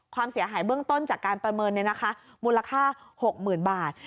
เสียหายเบื้องต้นจากการประเมินมูลค่า๖๐๐๐บาท